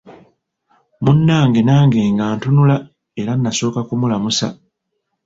Munnange nange nga ntuula era nasooka kumulamusa.